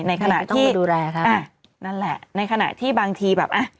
ไม่ต้องไปดูแลครับอ่ะนั่นแหละในขณะที่บางทีแบบอ่ะ